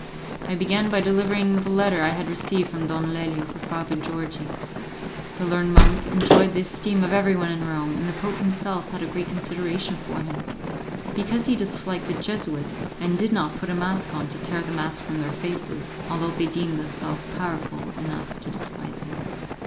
I began by delivering the letter I had received from Don Lelio for Father Georgi. The learned monk enjoyed the esteem of everyone in Rome, and the Pope himself had a great consideration for him, because he disliked the Jesuits, and did not put a mask on to tear the mask from their faces, although they deemed themselves powerful enough to despise him.